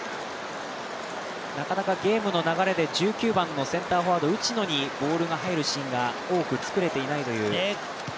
なかなかゲームの流れで１９番のセンターフォワード、内野にボールが入るシーンが多く作れていないという。